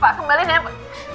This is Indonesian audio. pak kembalin ya